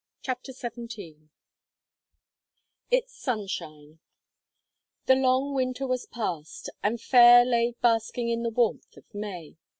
CHAPTER SEVENTEEN ITS SUNSHINE The long winter was past, and Fayre lay basking in the warmth of May.